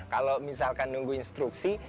kalau misalkan nunggu instruksi